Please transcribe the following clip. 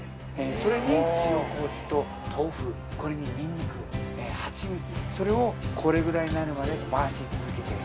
それに塩麹と豆腐これににんにくハチミツそれをこれぐらいになるまで回し続けて。